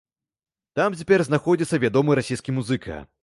Там цяпер знаходзіцца вядомы расійскі музыка.